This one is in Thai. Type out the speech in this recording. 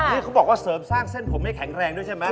รูปรบอบว่าเสริมสร้างเส้นผลไม่แข็งแรงด้วยใช่มั้ย